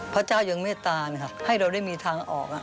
พระเจ้ายังเมตตานค่ะให้เราได้มีทางออก